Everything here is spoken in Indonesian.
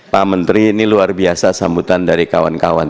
pak menteri ini luar biasa sambutan dari kawan kawan